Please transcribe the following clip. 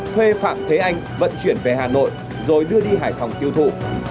thuê phạm thế anh vận chuyển về hà nội rồi đưa đi hải phòng tiêu thụ